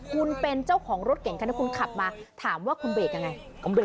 คุณเป็นเจ้าของรถเก่งคันที่คุณขับมาถามว่าคุณเบรกยังไง